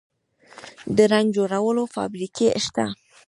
د رنګ جوړولو فابریکې شته